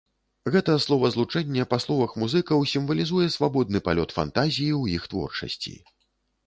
Гэта словазлучэнне, па словах музыкаў, сімвалізуе свабодны палёт фантазіі ў іх творчасці.